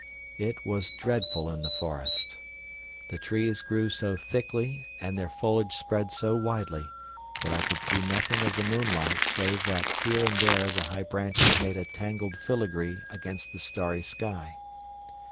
It was dreadful in the forest. The trees grew so thickly and their foliage spread so widely that I could see nothing of the moon light save that here and there the high branches made a tangled filigree against the starry sky.